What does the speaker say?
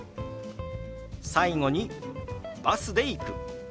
最後に「バスで行く」。